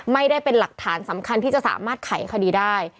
ไม่ได้เป็นหลักฐานสำคัญที่จะสามารถไขคดีได้